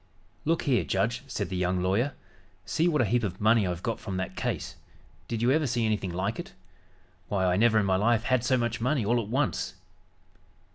"Look here, judge," said the young lawyer. "See what a heap of money I've got from that case. Did you ever see anything like it? Why, I never in my life had so much money all at once!"